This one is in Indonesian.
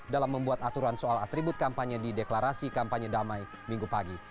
dalam membuat aturan soal atribut kampanye di deklarasi kampanye damai minggu pagi